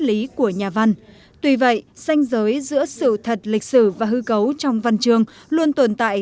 lý của nhà văn tuy vậy xanh giới giữa sự thật lịch sử và hư cấu trong văn chương luôn tồn tại